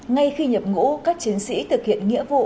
ngay khi nhập ngũ các chiến sĩ thực hiện nghĩa vụ